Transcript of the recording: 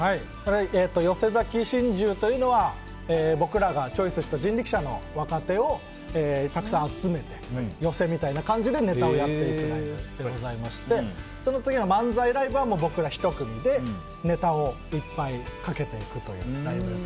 「寄席崎心中」というのは僕らがチョイスした人力舎の若手をたくさん集めて寄席みたいな感じでネタをやっていくものでございましてその次の漫才ライブは僕ら１組でネタをいっぱいかけていくライブです。